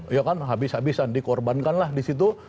ya kan habis habisan dikorbankan lah disitu